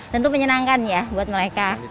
tentu menyenangkan ya buat mereka